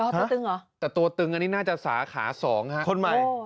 ตัวตึงเหรอแต่ตัวตึงอันนี้น่าจะสาขาสองฮะคนใหม่